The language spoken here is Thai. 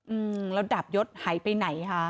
อืมแล้วดาบยศหายไปไหนคะ